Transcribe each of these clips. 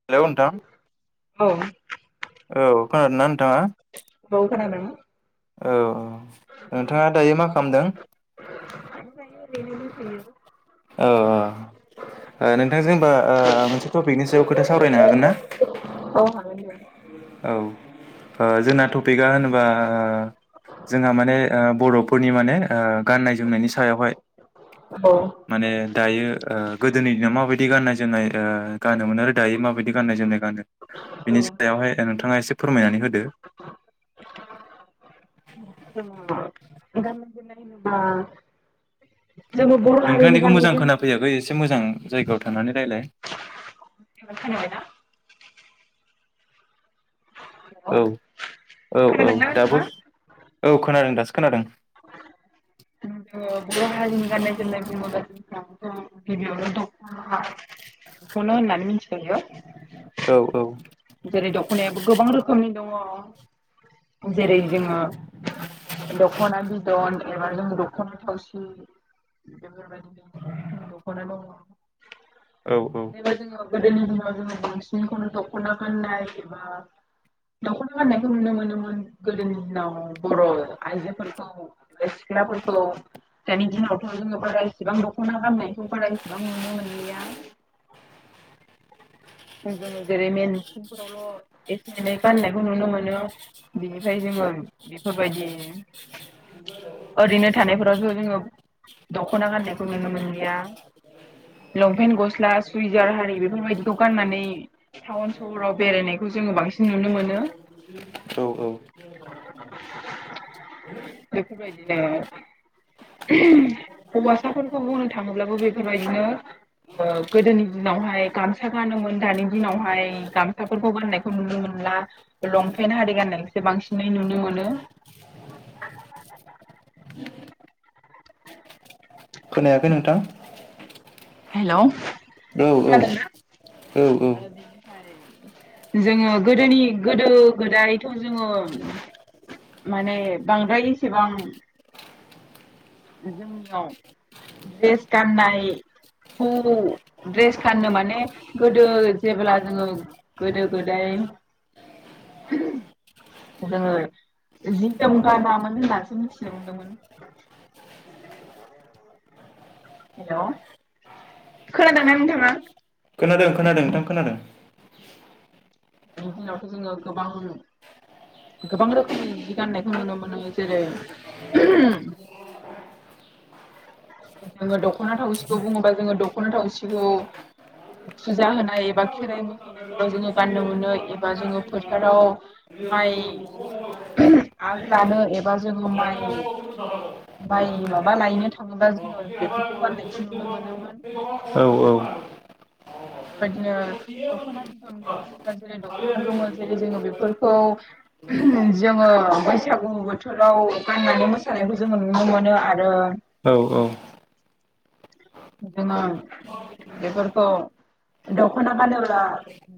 हे low नोंथां औ औ खोनादों ना नोंथाङा औ खोनादों औ औ नोंथाङा दायो मा खालामदों बेनोस [unintelligible] औ औ नोंथां जेनबा मोनसे टपिकनि सायाव खोथा सावरायनो हागोन ना? औ हागोन औ जोंना टपिकआ होनोबा ओ जोंहा माने बर'फोरनि माने गाननाय जोमनायनि सायावहाय औ माने दायो गोदोनि दिनाव माबायदि गाननाय जोमनाय गानोम मोनो आरो दायो माबायदि गाननाय जोमनाय गानो। औ बिनि सायावहाय नोंथाङा एसे फोरमायनानै होदो ग [unintelligible] ज बलानि नोंथांनिखौ मोजां बानाय [unintelligible] खोनाफैयाखै एसे मोजां जायगायाव थांनानै रायज्लाय ब खानाय ना [unintelligible] हेलौ औ औ औ खोनादोंना नोंथाङा? दाबो औ खोनादों दासो खोनादों बर' हारिनि गाननाय जोमनाय बम ग गिबियावनो दं दख'ना, ख नामसयाव औ औ [unintelligible] जेरै दख'नायाबो गोबां रोखोमनि दङ जेरै जोङो दख'ना बिदन एबा जों दख'ना थावसि, बेफोरबायदिनो गोबां रोखोमनि दख'ना दं। औ औ जेनबा जोङो गोदोनि दिनाव जोङो बांसिनखौनो दख'ना गाननाय एबा दख'ना गान्नायखौ नुनो मोनोमोन। गोदोनि दिनाव बर' आइजोफोरखौ ए [unintelligible] औ दानि दिनाव जोङो बारा इसिबां दख'ना गामनायखौ बारा इसेबां नुनो मोनलिया। [inaudible] जोङो जेरै मेन मिथिंफोरावल' एसे एनै गाननायखौ नुनो मोनो। बिनिफ्राय जोङो बिफोरबायदि [unintelligible] ओरैनो थानायफोरावथ' जोङो दख'ना गाननायखौ नुनो मोनलिया लंपेन्ट गस्ला सुइजार हारि बेफोरबायदिखौ गाननानै टाउन सहराव बेरायनायखौ जोङो बांसिन नुनो मोनो। औ औ बेफोरबायदिनो हौवासाफोरखौ बुंनो थाङोब्लाबो बेफोरबायदिनो ओ गोदोनि दिनावहाय गामसा गानोमोन दानि दिनावहाय गामसा फोरखौ गाननायखौ नुनो मोनला लंपेन्ट हारि गाननायखौसो बांसिनै नुनो मोनो। खोनायाखै नोंथां। हेल' औ खोनादोंना? औ औ आरो जोङो गोदोनि गोदो गोदायथ' जोङो माने बांद्राय एसेबां जोंनियाव द्रेस गाननाय खौ द्रेस गाननो माने गोदो जेब्ला जोङो गोदो गोदाय [inaudible] जोङो जि जोम गानामोन होननानैसो मिथिनो मोनदोंमोन। [unintelligible] हेल' खोनादोंना नोंथाङा? खोनादों खोनादों नोंथां खोनादों। बेनि दिनावथ' जोङो गोबां गोबां रोखोमनि जि गान्नायखौ नुनो मोनो जेरै जोङो दख'ना थावसिखौ बुङोबा जोङो दख'ना थावसिखौ फुजा होनाय एबा खेराइ मोसानायफोराव जोङो गाननो मोनो एबा जोङो फोथाराव माइ [unintelligible] आग लानो एबा जोङो माइ माइ माबा लायनो था थाङोबा औ जोङो बेफोरखौ गान्नायखौ नुनो मोनोमोन। औ औ बेबायदिनो दख'ना बिदनखौ जेब्ला जेरै दख'ना गोमोनो जेरै जोङो बेफोरखौ जोङो बैसागु बोथोराव गाननानै मोसानायखौ जोङो नुनो मोनो आरो औ औ जोङो बेफोरखौ दख'ना गानोब्ला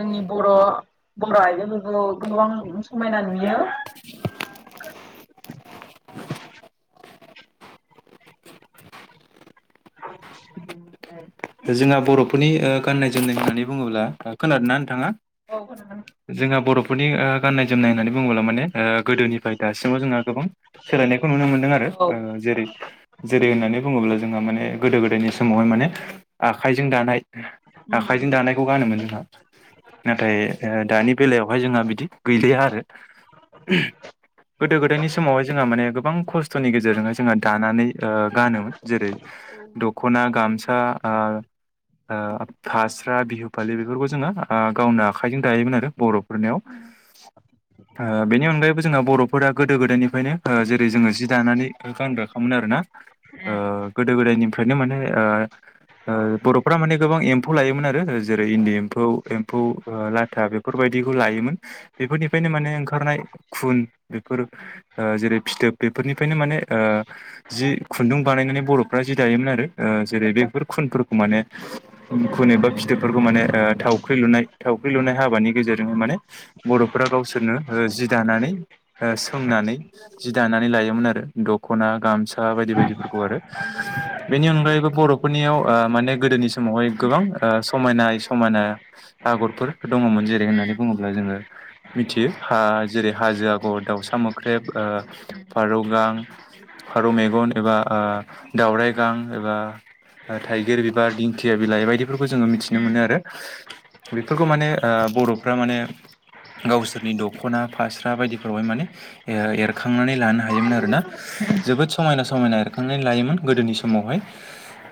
जोंनि बर' बर' आइजोफोरखौ गोबां समायना नुयो। [unintelligible] जोंहा बर'फोरनि ओ गाननाय जोमनाय होननानै बुङोब्ला खोनादों ना नोंथाङा? औ खोनादों। जोंहा बर'फोरनि ओ गाननाय जोमनाय होननानै बुङोब्ला माने ओ गोदोनिफ्राय दासिमाव जोंहा गोबां सोलायनायखौ नुनो मोनदों आरो औ ओ जेरै जेरै होननानै बुङोब्ला जोंहा माने गोदो गोदायनि समावहाय माने आखाइजों दानाय उम आखायजों दानाय खौ गानोमोन जोंहा नाथाय ओ दानि बेलायावहाय जोंहा बिदि गैलिया आरो। [unintelligible] गोदो गोदायनि समावहाय जोंहा माने गोबां खस्थ'नि गेजेरजोंहाय जोङो दानानै ओ गानोमोन। जेरै औ उम दख'ना गामसा ओ ओ फास्रा बिहु फालि बेफोरखौ जोङो ओ गावनो आखाइजों दायोमोन आरो बर' फोरनियाव उम ओ बेनि अनगायैबो जोंना बर'फोरा गोदो गोदायनि ओंखायनो जेरै जोङो जि दानानै गानग्राखामोन आरोना ओ उम गोदो गोदायनि फोरनो माने ओ ओ बर'फोरा माने गोबां एम्फौ लायोमोन आरो जेरै इन्दि एम्फौ एम्फौ लाथा बेफोरबायदिखौ लायोमोन। बेफोरनिफ्रायनो माने ओंखारनाय खुन बेफोर- ओ जेरै फिथोब बेफोरनिफ्रायनो माने ओ जि खुन्दुं बानायनानै बर'फ्रा जि दायोमोन आरो ओ जेरै बेफोर खुनफोरखौ माने खुुन एबा फिथोबफोरखौ माने ओ थावख्रि लुनाय थावख्रि लुनाय हाबानि गेजेरजों माने बर'फ्रा गावसोरनो ओ जि दानानै ओ सोंनानै जि दानानै लायोमोन आरो दख'ना गामसा बायदि बायदिफोरखौ आरो। बेनि अनगायैबो बर' फोरनियाव माने गोदोनि समावहाय गोबां ओ समायनाय समायना आगरफोर दङमोन जेरै होननानै बुङोब्ला जोङो मिथियो हा जेरै हाजो आगर दाउसा मोख्रेब ओ फारौ गां फारौ मेगन एबा ओ दाउराइ गां एबा थाइगिर बिबार दिंखिया बिलाइ बायदिफोरखौ जोङो मिथिना मोनो आरो। बेफोरखौ माने ओ बर'फ्रा माने गावसोरनि दख'ना फास्रा बायदिफोरावहाय माने ओ एरखांनानै लानो हायोमोन आरोना। जोबोद समायना समायना एरखांनानै लायोमोन गोदोनि समावहाय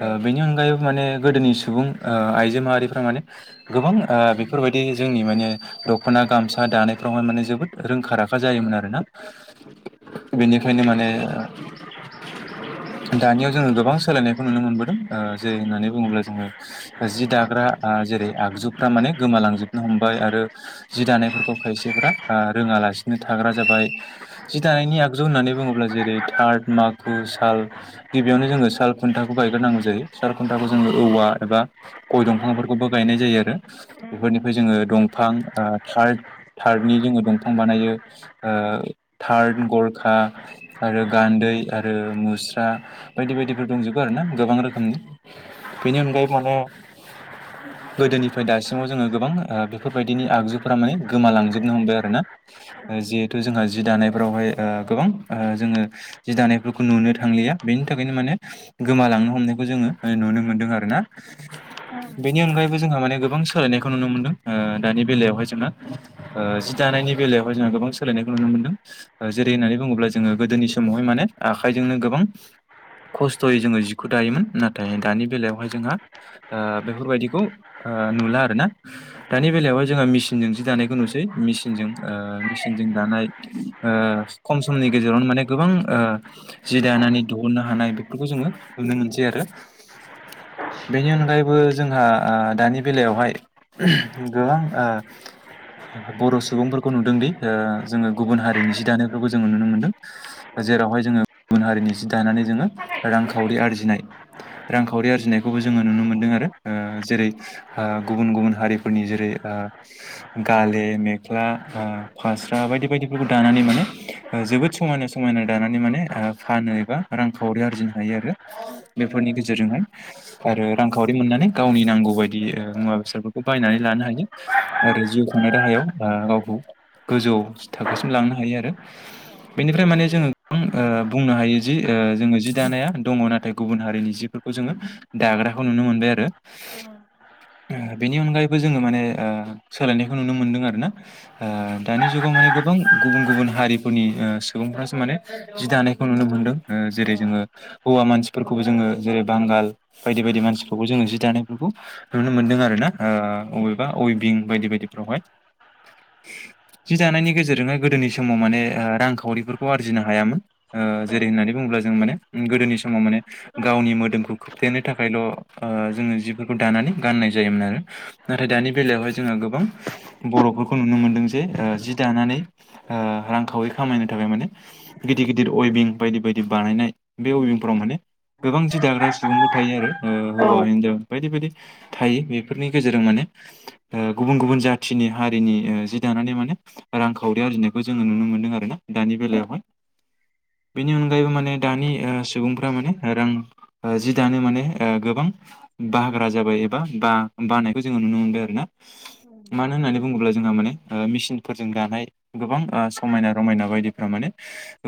ओ उम बेनि अनगायैबो माने गोदोनि सुबुं ओ आइजो माहारिफ्रा माने गोबां ओ बेफोरबायदि जोंनि माने दख'ना गामसा दानायफोराव माने जोबोद रोंखा राखा जायोमोन आरोना। बेनिखायनो माने दानियाव जोङो गोबां सोलायनायखौ नुनो मोनबोदों ओ जेरै होननानै बुङोब्ला जोङो। जि दाग्रा ओ जेरै आगजुफ्रा माने गोमालांजोबनो हमबाय आरो। जि दानायफोरखौ खायसेफोरा ओ रोङालासिनो थाग्रा जाबाय। जि दानायनि आगजु होननानै बुङोब्ला जेरै थार्त माखु साल गिबियावनो जोङो साल खुन्थाखौ गायग्रोनांगौ जायो साल खुन्थाखौ औ औ जोङो औवा एबा गय दंफांफोरखौबो गायनाय जायो आरो। औ बेफोरनिफ्राय जोङो दंफां ओ थार्त थार्तनि जोङो दंफां बानायो। ओ थार्त गरखा आरो गान्दै आरो मुस्रा बायदि बायदि। दंजोबो आरोना गोबां रोखोमनि बेनि अनगायै माने गोदोनिफ्राय दासिमाव जोङो गोबां ओ बेफोरबायदिनि आगजुफ्रा माने गोमालांजोबनो हमबाय आरो ना। जिहेथु जोंहा जि दानायफोरावहाय ओ गोबां ओ जोङो जि दानायफोरखौ नुनो थांलिया बेनि थाखायनो माने गोमालांनो हमनायखौ जोङो नुनो मोनदों आरो ना। बेनि अनगायैबो जोंहा माने गोबां सोलायनायखौ नुनो मोनदों ओ दानि बेलायावहाय जोंङो ओ जि दानायनि बेलायावहाय जोंङो गोबां सोलायनायखौ नुनो मोन्दों। जेरै होननानै बुङोब्ला जोङो गोदोनि समावहाय माने आखाइजोंनो गोबां खस्थ'यै जोङो जिखौ दायोमोन नाथाय दानि बेलायावहाय जोंहा ओ बेफोरबायदिखौ ओ नुला आरोना। दानि बेलायावहाय जोंङो मेसिनजों जि दानायखौ नुसै मेसिनजों ओ मेसिनजों दानाय ओ खम समनि गेजेरावनो माने गोबां ओ जि दानानै दुहुननो हानाय बेफोरखौ जोङो नुनो मोनसै आरो। बेनि अनगायैबो जोंहा ओ दानि बेलायावहाय गोबां ओ। बर' सुबुंफोरखौ नुदोंदि जोङो गुबुन हारिनि जि दानायफोरखौ जोङो नुनो मोनदों। जेरावहाय जोङो गुबुन हारिनि जि दानानै जोङो रांखावरि आरजिनाय रांखावरि आरजिनायखौबो जोङो नुनो मोन्दों आरो ओ जेरै ओ गुबुन गुबुन हारिफोरनि जेरै ओ गाले मेख्ला ओ फास्रा बायदि बायदिफोरखौ दानानै माने जोबोद समायना समायना दानानै माने ओ फानो एबा रांखावरि आरजिनो हायो आरो उम फोरनि गेजेरजोंहाय आरो रांखावरि मोननानै गावनि नांगौ बायदि मुवा बेसादफोरखौ बायनानै लानो हायो। आरो जिउ खुंनाय राहायाव ओ गावखौ गोजौ थाखोसिम लांनो हायो आरो। बेनिफ्राय माने जोङो गोबां ओ बुंनो हायो जि जोङो जि दानाया दङ नाथाय गुबुन हारिनि जिफोरखौ जोङो दाग्राखौ नुनो मोनबाय आरो। [inaudible] बेनि अनगायैबो जोङो माने सोलायनायखौ नुनो मोनदों आरो ना। ओ दानि जुगाव माने गोबां गुबुन गुबुन हारिफोरनि ओ सुबुंफ्रासो माने जि दानायखौ नुनो मोनदों ओ जेरै जोङो हौवा मानसिफोरखौबो जोङो जेरै बांगाल बायदि बायदि मानसिफोरखौ जोङो जि दानायफोरखौ नुनो मोनदों आरो ना ओअबेबा अइबिं बायदि बायदिफ्रावहाय जि दानायनि गेजेरजोंहाय गोदोनि समाव मानेओ रांखावरिफोरखौ आरजिनो हायामोन ओ जेरै होननानै बुङोब्ला जों माने गोदोनि समाव माने गावनि मोदोमखौ खोबथेनो थाखायल' ओ जोङो जिफोरखौ दानानै गाननाय जायोमोन आरो नाथाय दानि बेलायावहाय जोंहा गोबां बर'फोरखौ नुनो मोनदों जे जि दानानै ओ रांखावरि खामायनो थाखायाबाय माने गिदिर गिदिर अइबिं बायदि बायदि बानायनाय बे अभिंफोराव माने गोबां जि दाग्रा सुबुंफोर थायो आरो ओ औ हौवा-हिनजाव बायदि बायदि थायो बेफोरनि गेजेरजों माने ओ गुबुन गुबुन जाथिनि हारिनि ओ जि दानानै माने रांखावरि आरजिनायखौ जोङो नुनो मोनदों आरो ना दानि बेलायावहाय बेनि अनगायैबो माने दानि ओ सुबुंफ्रा माने रां जि दानो माने ओ गोबां बाग्रा जाबाय एबा बा-बानायखौ जोङो नुनो मोनबाय आरो ना मानो होननानै बुङोब्ला जोंहा माने ओ मेसिनफोरजों दानाय गोबां ओ समायना रमायना बायदिफ माने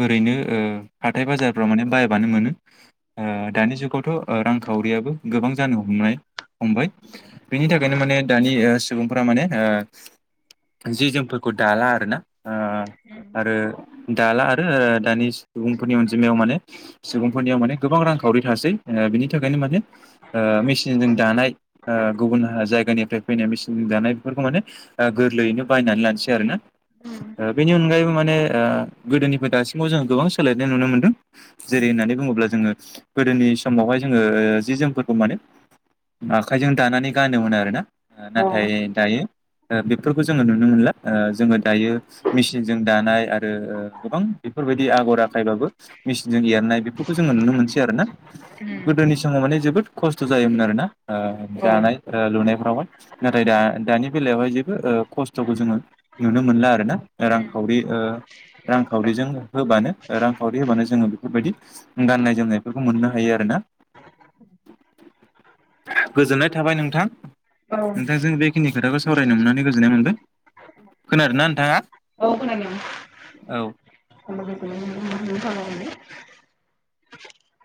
ओरैनो ओ हाथाय बाजारफ्राव माने बाय बानो मोनो ओ दानि जुगावथ' रांखावरियाबो गोबां जानो हमनाय फंबाय बिनि थाखायनो माने दानि सुबुंफोरा माने ओ जि जोमफोरखौ दाला आरोना ओ आरो दाला आरो दानि सुबुंफोरनि अनजिमायाव माने सुबुंफोरनियाव माने गोबां रांखावरि थासै ओ बिनि थाखायनो माने ओ मेचनजों दानाय ओ गुबुन जायगानिफ्राय फैनाय मेसिनजों दानाय बेफोरखौ माने ओ गोरलैयैनो बायनानै लानोसै आरो ना ओ बेनि अनगायैबो माने ओ गोदोनिफ्राय दासिमावबो जोङो गोबां सोलायनाय नुनो मोनदों जेरै होननानै बुङोब्ला जोङो गोदोनि समावहाय जोङो जि जोमफोरखौ माने आखाइजों दानानै गानोमोन आरोना नाथाय दायो ओ बेफोरखौ जोङो नुनो मोनला ओ जोङो दायो मिसिनजों दानाय आरो गोबां बेफोरबायदि आगर आखायबाबो मिसि नजों एरनाय बेफोरखौ जोङो नुनो मोनसै आरो ना गोदोनि समाव माने जोबोद खस्थ' जायोमोन आरो ना ओ जानाय ओ लुनायफ्रावहाय नाथाय दा दानि बेलायावहाय जेबो ओ खस्थ'खौ जोङो नुनो मोनला आरो ना रांखावरि ओ रांखावरिजों होबानो रांखावरि होबानो जोङो बेफोरबायदि गाननाय-जोमनायफोरखौ मोननो हायो आरो ना गोजोननाय थाबाय नोंथां नोंथांजों बेखिनि खोथाखौ सावरायनो मोननानै गोजोननाय मोनदों। खोनादों ना नोंथाङा? औ खोनादों औ [inaudible]